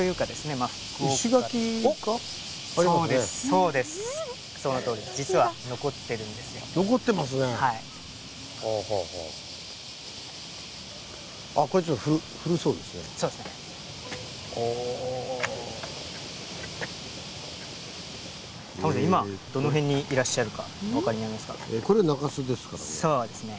今どのへんにいらっしゃるかお分かりになりますか？